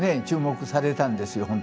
注目されたんですよ